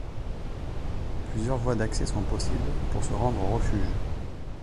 Plusieurs voies d'accès sont possibles pour se rendre au refuge.